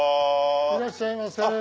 いらっしゃいませ。